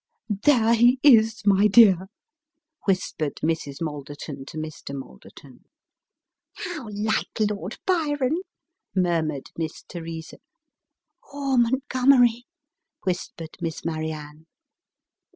" There he is, my dear," whispered Mrs. Malderton to Mr. Malderton. " How like Lord Byron !" murmured Miss Teresa. " Or Montgomery !" whispered Miss Marianne.